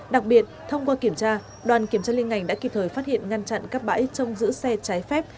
đặc biệt thông qua kiểm tra đoàn kiểm tra liên ngành đã kịp thời phát hiện ngăn chặn các bãi trông giữ xe trái phép